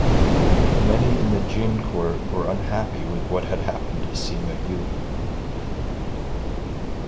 Many in the Jin court were unhappy with what had happened to Sima Yu.